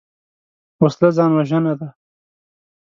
وسله ځان وژنه ده